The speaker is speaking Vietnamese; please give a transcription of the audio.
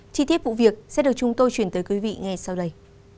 chi tiết vụ việc sẽ được chúng tôi chuyển tới quý vị ngay sau đây